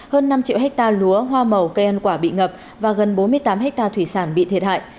hơn năm triệu hectare lúa hoa màu cây ăn quả bị ngập và gần bốn mươi tám hectare thủy sản bị thiệt hại